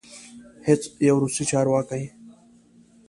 هیڅ یو روسي چارواکی